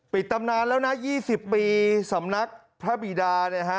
ปิดตำนานแล้วนะ๒๐ปีสำนักพระบิดา